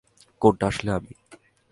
কোনটা আসলে আমি?